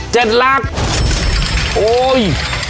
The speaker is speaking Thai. เจ็ดลักษณ์